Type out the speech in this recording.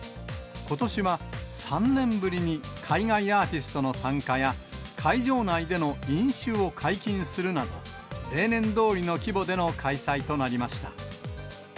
ことしは３年ぶりに、海外アーティストの参加や、会場内で飲酒を解禁するなど、例年どおりの規模での開催となりました。